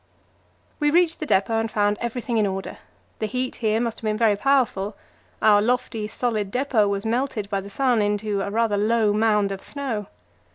We reached the depot, and found everything in order. The heat here must have been very powerful; our lofty, solid depot was melted by the sun into a rather low mound of snow.